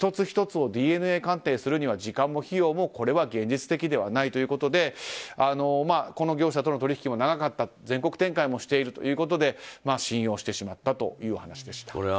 １つ１つをＤＮＡ鑑定するには時間も費用も現実的ではないということでこの業者との取引も長かった全国展開もしているということで信用してしまったという話でした。